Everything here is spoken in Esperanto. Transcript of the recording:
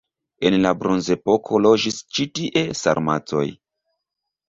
En la bronzepoko loĝis ĉi tie sarmatoj.